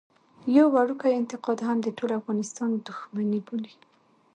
يو وړوکی انتقاد هم د ټول افغانستان دښمني بولي.